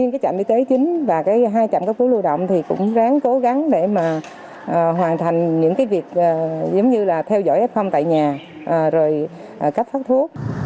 cái trạm y tế chính và cái hai trạm cấp cứu lưu động thì cũng ráng cố gắng để mà hoàn thành những cái việc giống như là theo dõi f tại nhà rồi cách phát thuốc